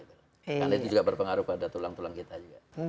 karena itu juga berpengaruh pada tulang tulang kita juga